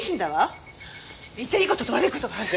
言っていい事と悪い事がある。